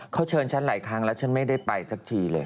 เขาเชิญฉันหลายครั้งแล้วฉันไม่ได้ไปสักทีเลย